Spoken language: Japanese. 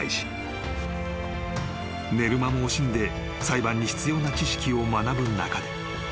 ［寝る間も惜しんで裁判に必要な知識を学ぶ中で］